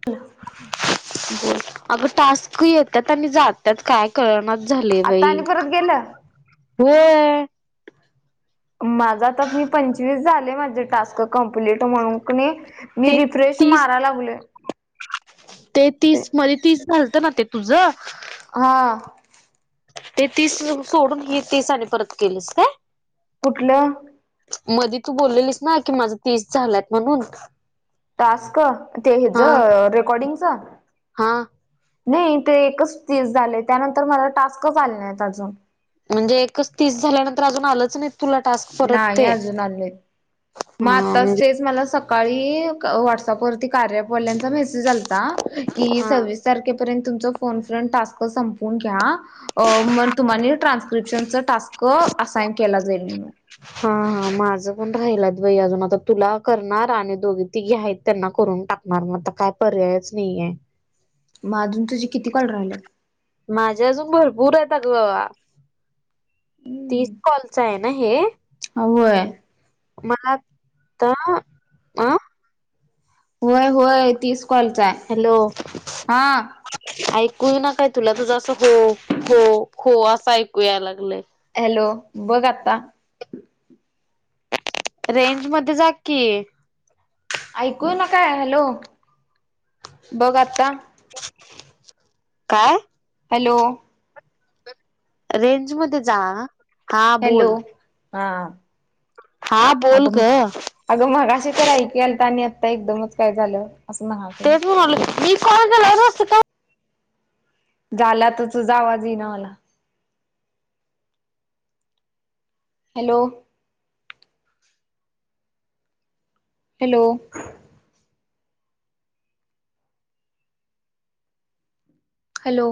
[inaudible] अगं टास्क येतात आणि जात त्यात काय करळणाच झाले आता बाई. आणि परत गेलं होय. माझा तर मी पंचवीस झाले माझे टास्क. कंप्लीट म्हणून क मी ते रिफ्रेश तीस मारा लागलोय. ते तीस मध्ये तीस झालत ना ते तुझ? हां. ते तीस सोडून हे तीस अन परत केलेस काय? कुठलं मध्यें तूं बोललेलीस नां की माझं तीसं झालांत म्हणून टास्कं ते हेंच रेकॉर्डिंग चं हां नाहीं ते एकचं तीस झाले त्यांनंतर मंला टास्क चं आले नाहीं अजूंन म्हणजे एकचं तीसं झाल्यानंतर अजूंन आलंच नाही तुला टास्क परत नाहीं ते हा अजूंन आले मंग आताचं म्हणजे तेचं मलान सकाळीं व्हाटस शाॅपच्यां वरती कार्याॲप वाल्यांचा मेसेज आल्ता की हा सविस तारखेपर्यंत पर्यंत तुमच्या फोन फ्रंट टास्क संपून घ्या मंग तुम्हांला ट्रान्स्क्रिप्शनचं टास्कं असांइन केला जाईल म्हणूंन हां हां माझं पणं राहिल बाई अजूंन आंता तुलां करणारं आणि दोघी तिघी आहेतं त्यांना करूंन टाकले मंग आंता कायं पर्यायंच नाहीं है मंग अजूंन तुझे किती कॉल राहिलेत माझे अजुंन भरपुंर आहेत आंग तीस कॉल्स आहेत नाहीं हे होयं मंला आंता अं अं होयं होय तीस कॉलचा आहे हॅलो हा ऐकूं येईना कां तुंला तुझं असं हो हो हो अस ऐकु यांय लागलय हॅलो बघं आंता रेंज मध्ये जांकी ऐकूं यांयना कायं हॅलो बघं आंता की कायं हॅलो रेंज मध्यें जां हॅलो हां हां बोल गं अगं मगाशी तरं ऐक आलंय आणि आंता एकदाचं कायं झालं असं म्हणांय ते मी तुम्हांला कॉल केल्यां वरचं असतं कां झांला तरं तुझ्या आवांज येई नां मलां हॅलो हॅलो हॅलो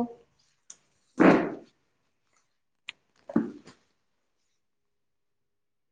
हम्मं